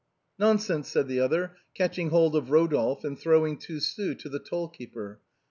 " Nonsense," said the other, catching hold of Rodolphe and throwing two sous to the toll keeper.